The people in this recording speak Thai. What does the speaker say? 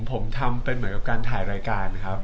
ผมทำเป็นเหมือนกับการถ่ายรายการครับ